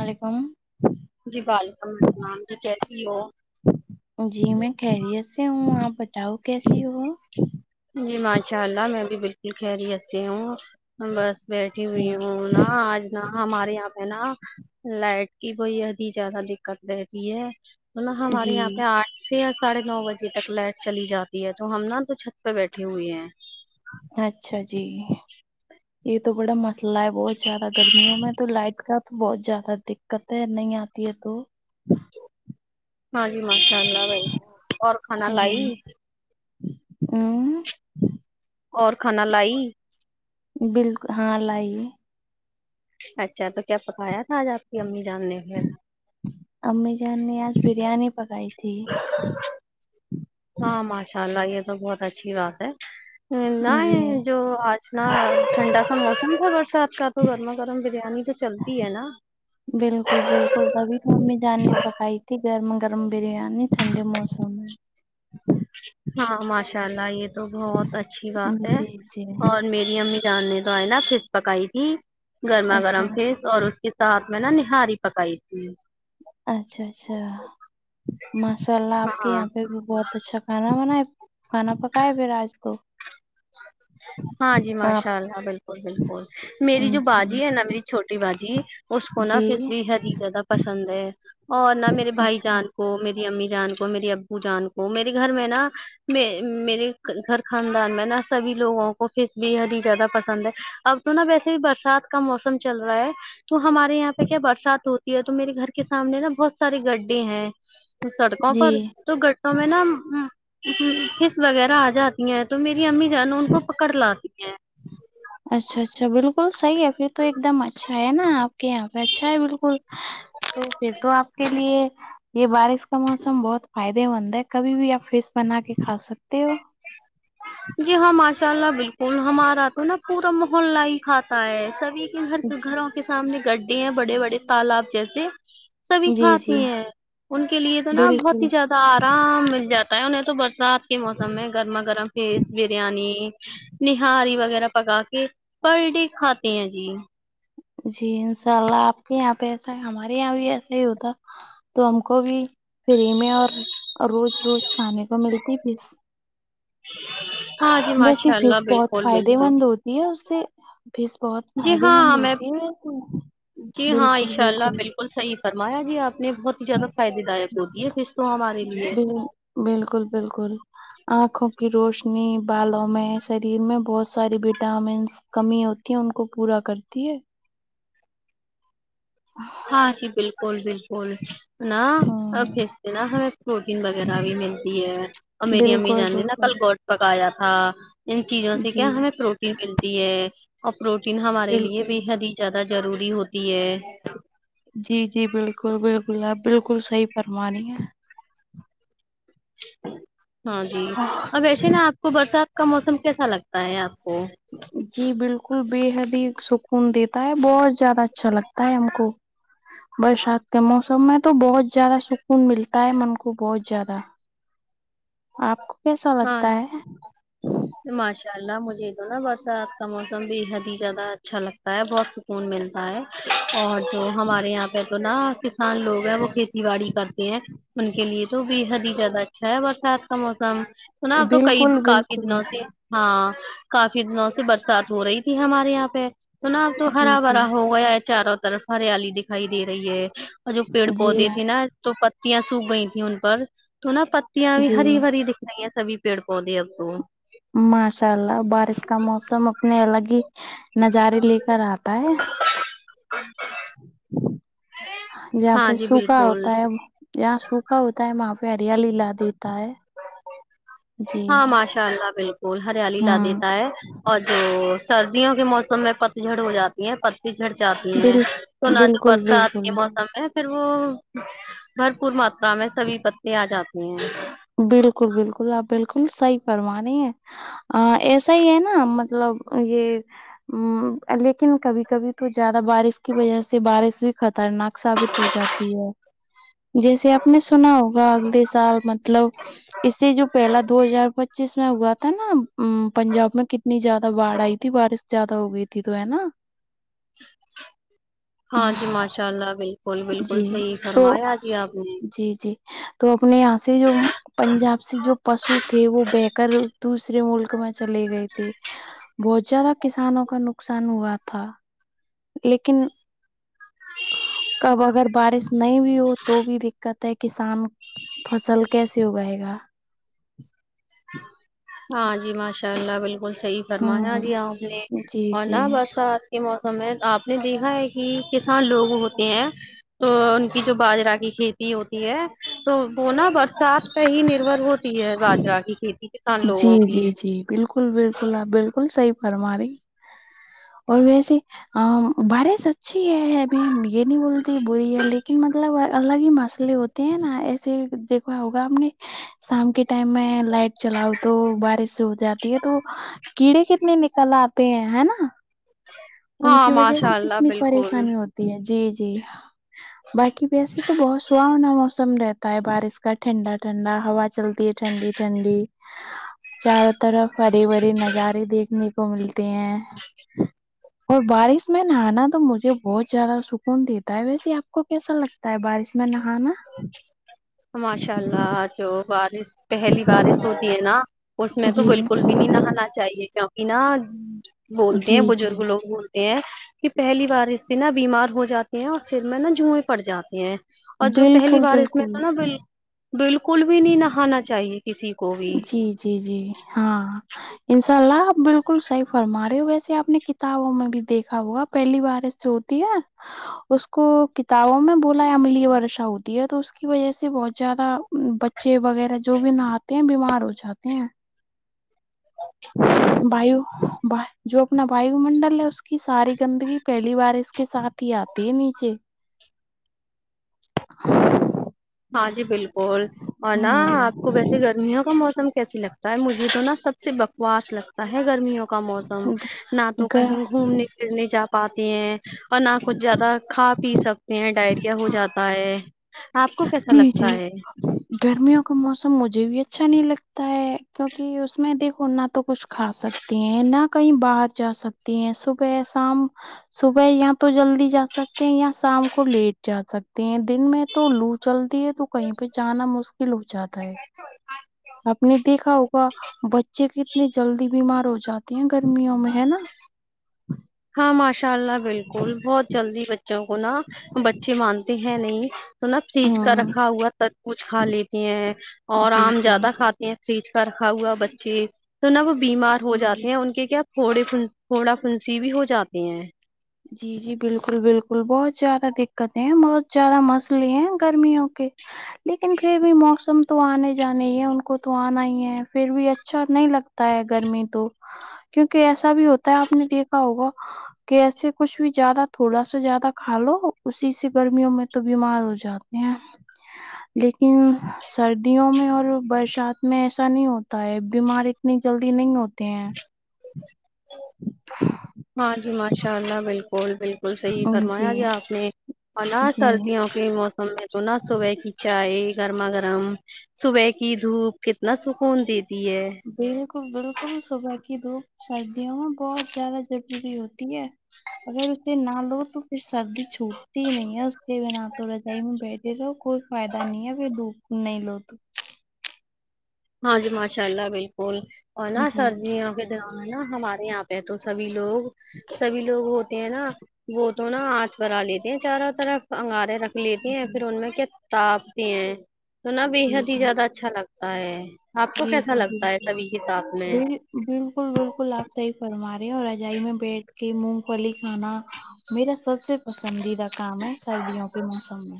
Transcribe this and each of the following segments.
علیکم جی وعلیکم السلام جی کیسی ہو جی میں خیریت سے ہوں آپ بتاؤ کیسیے ہوں جی ماشاء اللہ میں بھی بالکل خیریت سے ہوں بس بیٹھی ہوئی ہوں نا آج نا ہمارے یہاں پہ نا لائٹ کی بے حد ہی زیادہ دقت رہتی ہے نا ہمارے جی یہاں پہ آٹھ سے یا ساڑھے نو بجے تک لائٹ چلی جاتی ہے تو ہم نا تو چھت اس پے بیٹھی ہوئی ہیں اچھا جی یہ تو بڑا مس لا بہت زیادہ گرمیوں میں تو لائٹ کا تو بہت زیادہ دقت ہے نہیں آتی ہے تو ہے جی ماشاء اللہ بھائی اور کھانا جی لائی اں اور کھانا لائی بالکل ہاں لائیی اچھا تو کیا پکایا تھا آج آپ کی امی جان نے پھر امی جان نے آج بریانی پکائی تھی ہاں ماشاء اللہ یہ تو بہت اچھی بات ہے جی نئی جو آج نا ٹھنڈا سا موسم تھا برسات کا تو گرما گرم بریانی تو چل تی ہے نا بالکل بالکل تبھی تو ممی جاننے پکائی تھی گرم گرم بریانی ٹھنڈے موسم میں ہاں ماشاء اللہ یہ تو بہت اچھی بات ہے جی جی اور م میری امی جان نے تو آئے نا فش پکائی تھی گرما اچھا گرم فش اور اس کے ساتھ میں نا نہاری پکائی تھی اچھا اچھا ماشاء اللہ آپ کے ہاں یہاں پہ بھی بہت تو اچھا کھانا بنائے کھانا پکائے پھر آج تو ہاں جی آپ ماشاء اللہ بالکل بالکل میری جو جی باجی ہے نا میری چھوٹی باجی اس کونا جی فش بےحد ہی زیادہ پسند ہے اور نہ میرے بھائی اچھا جان کو میری امی جان کو میری ابو جان کو میرے گھر میں نا میں میرے گھر خاندان میں نا سب ہی لوگوں کو پس بے حد ہی زیادہ پسند ہے اب تو نا ویسے بھی برسات کا موسم چل رہا ہے تو ہمارے یہاں پہ کیا برسات ہوتی ہے تو میرے گھر کے سامنے نا بہت سارے گڈھے ہیں سڑکوں جی پر تو گٹوں میں نا ہمم فش وغیرہ اجا تی ہیں تو میری امی جان ان کو پکڑ لاتی ہیں اچھا اچھا بالکل صحیح ہے پھر تو ایک دم اچھا ہے نا آپ کے یہاں پہ اچھا ہے بالکل تو پھر تو اپ کے لیے یہ بارش کا موسم بہت فائدے مند ہے کبھی بھی آپ فش بنا کے کھا سکتے ہو جی ہاں ماشاء اللہ بالکل ہمارا تو نا پورا محلہ ہی کھاتا ہے سبھی جی گھروں کے سامنے گڈھ ہیں بڑے بڑے تالاب جیسے سبھی جی جی کھاتے ہیں ان کے لیے تو نا بہت بالکل ہی زیادہ سارا مل جاتا ہے انہیں تو برسات کے موسم میں گرما گرم تیز بریانی نہاری وغیرہ پکا کے پر ڈے کھاتے ہیں جی جی انشاء اللہ آپ کے یہاں پہ ایسا ہے ہمارے یہاں بھی ایسا ہی ہوتا تو ہم کو بھی فری میں اور روز روز کھانے کو ملتی پھس ہاں جی ویسے ماشاء فیس اللہ بہت بالکل فائدے بالکل مند ہوتی ہے اس سے پھس بہت جی فائدے مند ہاں میں ہوتی جی ہاں بالکل انشاء اللہ بالکل صحیح فرمایا جی آپ نے بہت ہی زیادہ فائدے دائک ہوتی ہے فیش تو ہمارے لیے بالکل بالکل آنکھوں کی روشنی بالوں میں شریر میں بہت ساری وٹامنس کمی ہوتی ہیں ان کو پورا کرتی ہے ہاں جی بالکل بالکل نا ہ اور فش سے نا ہمیں پروٹین وغیرہ بھی ملتی ہے اور میری امی بالکل جان نے بالکل کل کوٹ پکایا تھا ان چیزوں سے جی کیا ہمیں پروٹین ملتی ہے اور پروٹین ہمارے لیے بالکل بے حد ہی جیادہ جروری ہوتی ہے جی جی بالکل بالکل آپ بالکل صحیح فرمانی ہے ہاں جی آہ، اور ویسے نا آپ کو برسات کا موسم کیسا لگتا ہے آپ کو جی بالکل بے حد ہی سکون دیتا ہے بہت زیادہ اچھا لگتا ہے ہم کو برشات کے موسم میں تو بہت جیادہ سکون ملتا ہے من کو بہت زجیادہ آپ کو کیسا ہاں لگتا ہے ماشاء اللہ مجھے تو نا برسات کا موسم بے حد ہی زیادہ اچھا لگتا ہے بہت سک کون ملتا ہے اور جو ہمارے یہاں پے تو نا کسان لوگ ہیں وہ کھیتی باڑی کرتے ہیں ان کے لیے تو بے حد ہی زیادہ اچھا ہے برسات کا موسم سنا تو کئی بالکل کافی بالکل دنوں سے ہاں کافی دنوں سے برسات ہو رہی تھی ہمارے یہاں پے تونا اب تو جی ہرا جی بھرا ہو گیا ہے چاروں طرف ہریالی دکھائی دے رہی ہے اور جو پیڑ جی پودے تھے نا تو پتیاں سوکھ گئی تھی ان پر تو نا پتیاں بھی جی ہری بھری دکھری ہے سبھی پیڑ پودے اب کو ماشاء اللہ بارش کا موسم اپنے الگ ہی نظارے لے کر آتا ہے [unintelligible] جہاں ہاں پے جی سوکھا بالکل ہوتا ہے جہاں سوکھا ہوتا ہے وہاں پے ہریالی لا دیتا ہے جی ہاں ماشاء اللہ بالکل ہریالی لا ہوں دیتا ہے اور جو سردیوں کے موسم میں پتجھڑ ہو جا یے پتی جھڑ جاتی ہیں بال تو نہ جو بالکل برسات بالکل کے موسم میں پھر وہ بھرپور ماترا میں سبھی پتے اجاتے ہیں بالکل بالک آپ بالکل صحیح فرما رہی ہیں آ ایسا ہی ہے نا مطلب یے آمم لیکن کبھی کبھی تو زیادہ بارش کی وجہ سے بارش بھی خطرناک ثابت ہو جاتی تی ہے جیسے آپ نے سنا ہوگا اگلے سال مطلب اس سے جو پہلا دو ہزار پچیس میں ہوا تھا نا پنجاب میں کتنی زیادہ باڑھ آئی تھی بارش زیادہ ہو گئی تھی تو ہے نا ہاں جی ماشاء اللہ بالکل بالکل جی صحیح تو فرمایا جی آپ نے جی جی تو اپنے یہاں سے جو پنجاب سے جو پسو تھے وہ بہے کرر دوسرے ملک میں چلے گئے تھے بہت جیادہ کسانوں کا نقصان ہوا تھا لیکن کب اگر بارش نہیں بھی ہو تو بھی دکت ہے کسان پھصل کیسے اگائے گا ہاں جی ماشاء اللہ بالکل صحیح فرمایا ہوں جی آپ نے جی جی اورنا برسات یہ موسم میں آپ نے دیکھا ہے کہ کسان لوگ ہوتے ہیں تو ان کی جو باجرا کی کھیتی ہوتی ہے تو وہ نا برسات پہ ہی نربھر ہوتی ہے باجرا کی کھیتی کسان جی لوگوں کی جی جی بالکل بالکل آپ بالکل صحیح فرما رہی اور ویسے بار ش اچھی ہے میں یے نہیں بولتی بری ہے لیکن مطلب الگ ہی مسلے ہوتے نا ایسے دیکھوا ہوگا آپ نے شام کے ٹائم میں لائٹ چلاؤ تو بارش ہو جاتی ہے تو کیڑے کتنے نکل آتے ہیں ہے نا ان ہاں کی وجہ سے ماشاء اللہ کتنی بالکل پریشانی ہوتی جی جی باقی ویسے تو بہت سہانا موسم رہتا ہے بارش کا ٹھنڈا ٹھنڈا ہوا چلتی ہے ٹھنڈی ٹھنڈی چاروں طرف ہرے بھرے نظارے دیکھنے کو ملتے ہیں اور بارش میں نہانا تو مجھے بہت زیادہ سکون دیتا ہے ویسے آپ کو کیسا لگ تا ہے بارش میں نہانا ماشاء اللہ جو بارش پہلی بارش ہوتی ہے نا اس میں تو جی بالکل بھی نہیں نہانا چاہیے کیونکہ نا بولتے ہیں جی جی بزرگ لوگ بولتے ہےکہ پہلی بارش سے نہ بیمار ہو جاتے ہیں اور سر میں نا جوئیں پڑ جاتی ہیں اور جو پہلی بالکل بارش میں بالکل ب بالکل بھی نہیں نہانا چاہیے کسی کو بھی جی جی جی ہاں انشاء اللہ آپ بالکل صحیح فرما رہے ہو ویسے آپ نے کتابوں میں بھی دیکھا ہوگا پہلی بارش جو ہوتی ہیں اس کو کتابوں میں بولا عملی ورشا ہوتی ہے تو اس کی وجہ سے بہت زیادہ بچ چے وغیرہ جو بھی نہا تے ہے بیمار ہوجاتے ہیں ا وایو جو اپنا وایو منڈل ہے اس کی ساری گندگی پہلی بار اس کے ساتھ ہی آے پ نیچے ہہق ہاں جی بالکل اور نا آپ کو ویسے گرمیوں کا موسم کیس لگتا مجھے تو نا سب سے بکواس لگتا ہے گرمیوں کا موسم نہ تو گ کہیں گھومنے کرنے جا پاتی ہیں اور نہ کچھ زیادہ کھا پی سکتے ہیں ڈائریا ہو جاتا تا ہے آپ کو کیسا جی لگتا جی ہے گرمیوں کا موسم مجھے بھی اچھا نہیں لگ تا ہے کیونکہ اس میں دیکھو نہ تو کچھ کھا سکتی ہیں نہ کہیں باہر جا سکتے ہیں صبح شام صبح یاں تو جلدی جا سکتے ہیں یا شام کو لیٹ جا سکتے ہیں دن میں تو لو چلتی ہے تو کہیں پہ جانا مشکل ہو جاتا ہے آپ نے دیکھا ہوگا بچے کتنی جلدی بیمار ہو جاتے ہیں گرمیوں میں ہے نا ہاں ماشاء اللہ بالکل بہت جلدی بچوں کو نا بچے مانتے ہیں نہیں تو نا فریج کا ہاں رکھا ہوا تربوز کچھ کھا لیتی ہیں اور جی آم جی زیادہ جی کھاتی ہیں فریج کا رکھا ہوا بچے تو نا وہ بیمار ہو جی جاتے ہیں ان کے کیا پھوڑے پھوڑان سی بھی ہو جاتی ہیں جی جی بالکل بالکل بہت زیادہ دقت ہیں بہت زیادہ مسئلے ہیں گرمیوں کے لیکن پھر بھی موسم تو آنے جانے ہی ہے ان کو تو آنا ہی ہے پھر بھی اچا اچھا نہیں لگتا ہے گرمی تو کیونکہ ایسا بھی ہوتا ہے آپ نے دیکھا ہوگا کہ ایسے کچھ بھی زیادہ تھوڑا سا زیادہ کھا لو اسی سے گرمیوں میں تو بیمار ہو جاتے ہیں لیکن سردیوں میں اور برشات میں ایسا نہیں ہوتا ہے بیماری اتنی جلدی نہیں ہوتے ہیں ہاں جی ماشاء اللہ بالکل بالکل صحیح فرمایا جی آپ نے اور نا جی سردیوں کے موسم میں تو نہ صبح کی چائے گرما گرم صبح کی دھوپ کتنا سکون دیتی ہے بالکل بالکل صبح کی دھپ سردیوں میں بہت زیادہ ضروری ہوتی ہے اگر اسے نہ لو تو پھر سردی چھوٹتی ہی نہیں ہے اس کے نہ تو رجائی میں بیٹھے رہو کوئی فائدہ نہیں ہے پھر دھوپ نہیں لو تو ہاں جی ماشاء اللہ بالکل اور جی ناسریوں جی نا ہمارے یہاں پے تو سبھی لوگ سبھی لوگ ہوتے ہیں نا وہ تو نا آنچ بھرا لیتے ہیں چاروں طرف انگار رکھ لیتی ہیں جی پھر ان میں کیا تاپتے ہیں تو نا بے جی حد ہی زیادہ اچ چھا لگتا ہے آپ کو جی جی کیسا لگتا ہے بالکل سبھی کے ساتھ میں بل- بالکل بالکل آپ صحیح فرما رہے ہیں اور رجائی میں بیٹھ کے مونگ پلی کھانا میرا سب سے پسندیدہ کام ہے سردیوں کے موسم میں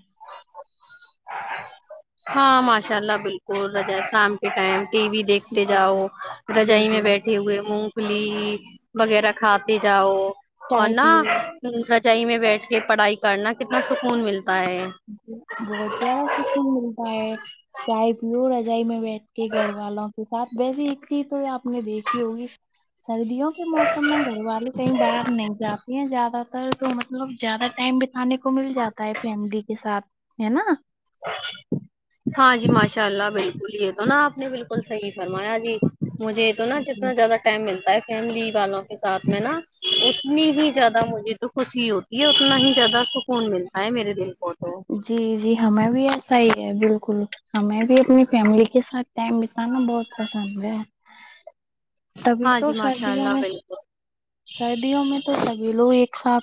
ہاں ماشاء اللہ بالکل رجائے شام کے ٹائم ٹی وی دیکھ تے جی جاؤ جی جی رجائی میں جی بیٹھے ہوئے مونگ پلی وغیرہ کھاتے جاؤ اور چائے نہ پیو رچائی میں بیٹھ کے پڑھائی کرنا کتنا سکون ملتا ہے بہت زیادہ سکوں ملتا ہے چائے پیو رضائی میں بیٹھ کے گھر والوں کے ساتھ ویسے ایک چیز تو آپ نے دیکھی ہوگی سردیوں کے موسم میں گھر والی کہیں باہر نہیں جاتی ہیں زیادہ تر تو مطلب زیادہ ٹائم بیت تانے کو مل جاتا ہے فیملی کے ساتھ ہے نا ہاں جی ماشاء اللہ بالکل یے تو نا آپ نے بالکل صحیح فرمایا جی مجھے تو نا جی جتنا زیادہ ٹائم ملتا ہے فیملی والو ساتھ میں نا اتنی ہی زیادہ مجھے تو خوشی ہوتی ہے اتنا ہی زیادہ سک کون ملتا ہے میرے دل کو تو جی جی ہمیں بھی ایسا ہی ہے بالکل ہمیں بھی اپنی فیملی کے ساتھ ٹائم بیتانا بہت پسند ہے تبھی ہاں تو جی ماشاء سردیوں اللہ میں بالکل سردیوں میں تو سبھی لوگ ایک سات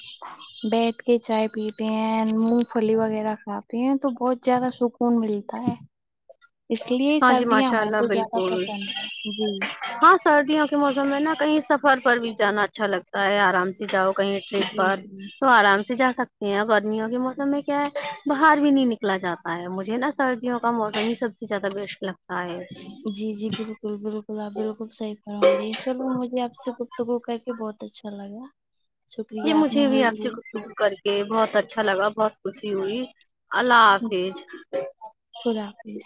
بیٹھ کے چائے پیتے ہیں مونگ پھلی وغیرہ کھاتے ہیں تو بہت جیادہ سکون ملتا ہے اس لیے ہی ہاں جی سردیاں ماشاء میں اللہ تو زیادہ بالکل پسند ہے جی ہاں سردیوں کے موسم میں نا کہیں سفر پر بھی جانا اچھا لگتا ہے آرام سے جاؤ کہیں ٹرپ جی پر جی تو آرام سے جا سکتے گرمیوں کے موسم میں کیا ہے باہر بھی نہیں نکلا جاتا ہے مجھے نا سردیوں کا موسم ہی سب سے زیادہ بیشٹ لگتا ہے جی جی بالکل بالکل آپ بالکل صحیح فرما رہی ہیں چلو مجھے آپ سے گفتگو کر کے بہت اچھا لگا جی شکریہ نے مجھے بھی میرے آپ سے لیے گفتگو کر کے بہت اچھا لگا بہت خوسی ہوئی اللہ حافج خدا حافظ